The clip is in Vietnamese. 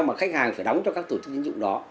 mà khách hàng phải đóng cho các tổ chức tín dụng đó